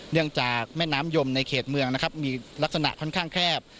เนื่องจากแม่น้ำยมในเขตเมืองมีลักษณะค่อนข้างแคบ